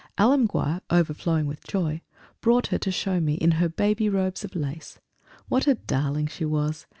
Alemguir, overflowing with joy, brought her to show me, in her baby robes of lace. What a darling she was!